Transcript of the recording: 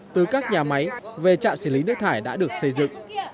từ các nhà máy về trạm xử lý nước thải đã được xây dựng